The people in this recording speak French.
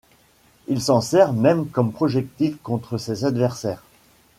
Il s'en sert même comme projectile contre ses adversaires.